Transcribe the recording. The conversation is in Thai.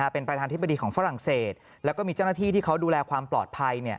เป็นประธานธิบดีของฝรั่งเศสแล้วก็มีเจ้าหน้าที่ที่เขาดูแลความปลอดภัย